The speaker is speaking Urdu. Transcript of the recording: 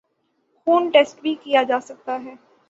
خون ٹیسٹ بھی کیا جاسکتا ہے